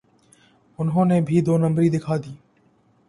انہوں نے بھی دو نمبری دکھا دی۔